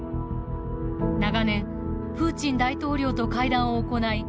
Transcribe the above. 長年プーチン大統領と会談を行い